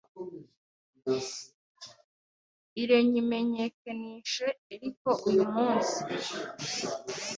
irenyimenyekenishe eriko uyu munsi